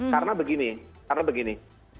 karena begini karena begini